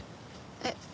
えっ？